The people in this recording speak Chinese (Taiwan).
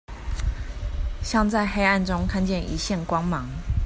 像在黑暗中看見一線光芒